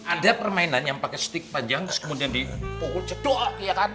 ada permainan yang pakai stick panjang terus kemudian dipukul cedok ya kan